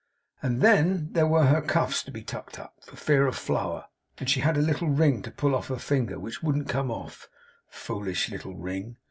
And then, there were her cuffs to be tucked up, for fear of flour; and she had a little ring to pull off her finger, which wouldn't come off (foolish little ring!)